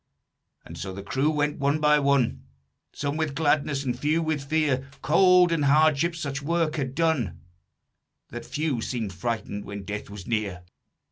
"And so the crew went one by one, Some with gladness, and few with fear, Cold and hardship such work had done That few seemed frightened when death was near.